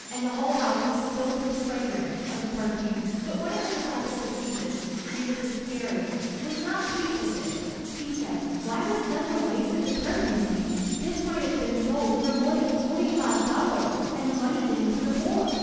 And the whole house was filled with the fragrance of the perfume. But one of the disciples of Jesus, Judas Iscariot, was not pleased at this. He said: "Why was such a waste of the perfume made? This might have been sold for more than forty five dollars, and the money given to the poor!"